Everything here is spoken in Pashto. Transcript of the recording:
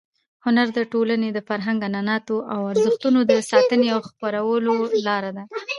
هنر د ټولنې د فرهنګ، عنعناتو او ارزښتونو د ساتنې او خپرولو لار ده.